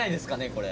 これ。